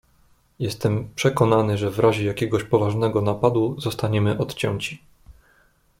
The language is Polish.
"Jestem przekonany, że w razie jakiegoś poważnego napadu, zostaniemy odcięci."